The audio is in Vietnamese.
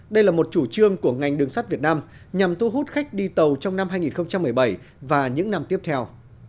đây là một chủ trương của ngành đường sắt việt nam nhằm thu hút khách đi tàu trong năm hai nghìn một mươi bảy và những năm tiếp theo